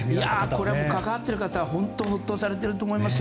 これは関わっている方ほっとされていると思います。